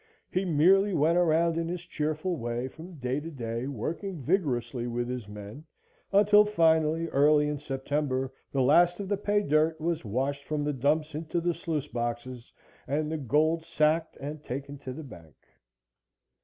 He merely went around in his cheerful way from day to day working vigorously with his men until, finally, early in September, the last of the pay dirt was washed from the dumps into the sluice boxes and the gold sacked and taken to the bank.